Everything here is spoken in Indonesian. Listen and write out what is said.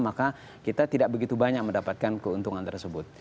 maka kita tidak begitu banyak mendapatkan keuntungan tersebut